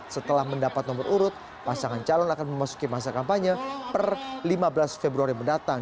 setelah mendapat nomor urut pasangan calon akan memasuki masa kampanye per lima belas februari mendatang